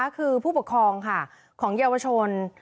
คือผู้ปกครองของเยาวชน